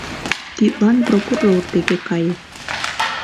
— Тидлан прокурор деке кае.